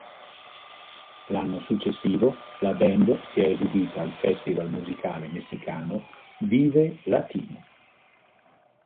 L'anno successivo la band si è esibita al festival musicale messicano Vive Latino.